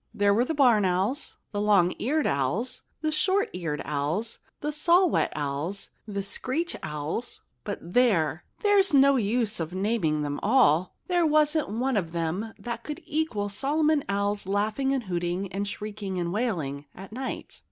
There were the barn owls, the long eared owls, the short eared owls, the saw whet owls, the screech owls—but there! there's no use of naming them all. There wasn't one of them that could equal Solomon Owl's laughing and hooting and shrieking and wailing—at night.